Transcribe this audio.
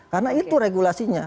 karena itu regulasinya